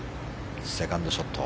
セカンドショット。